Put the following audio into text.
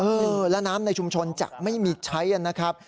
เออแล้วน้ำในชุมชนจะไม่มีใช้นะครับ